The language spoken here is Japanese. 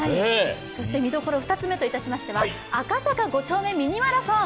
見どころ２つ目としましては、赤坂５丁目ミニマラソン。